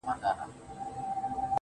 که تاسي فکر کوئ چي په سړک موندل سوي